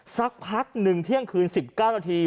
สักพัก๑เที่ยงคืน๑๙นาที